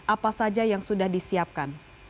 apa saja yang sudah disiapkan